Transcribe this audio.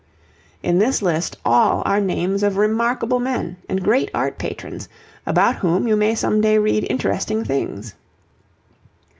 In this list, all are names of remarkable men and great art patrons, about whom you may some day read interesting things.